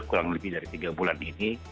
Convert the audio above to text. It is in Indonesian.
kurang lebih dari tiga bulan ini